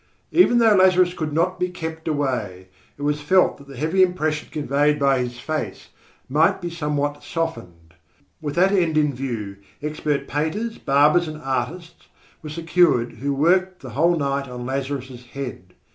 Even though Lazarus could not be kept away, it was felt that the heavy impression conveyed by his face might be somewhat softened. With that end in view expert painters, barbers and artists were secured who worked the whole night on Lazarus' head.